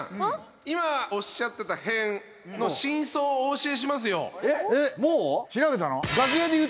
今おっしゃってた変の真相をお教えしますよえっ？